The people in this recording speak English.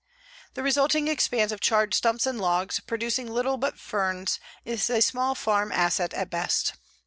The resulting expanse of charred stumps and logs, producing little but ferns, is a small farm asset at best.